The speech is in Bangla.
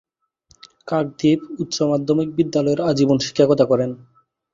কাকদ্বীপ উচ্চ মাধ্যমিক বিদ্যালয়ে আজীবন শিক্ষকতা করেন।